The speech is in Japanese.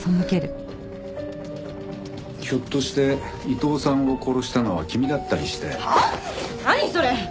ひょっとして伊藤さんを殺したのは君だったりして。